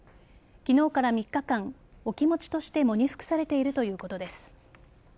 昨日から３日間、お気持ちとして喪に服されているということです。